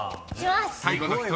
［最後の１人。